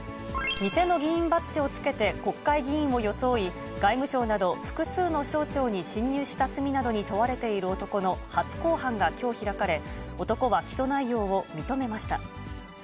偽の議員バッジをつけて国会議員を装い、外務省など複数の省庁に侵入した罪などに問われている男の初公判がきょう開かれ、男は起訴内容を認めました。